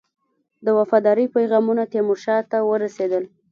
د وفاداری پیغامونه تیمورشاه ته ورسېدل.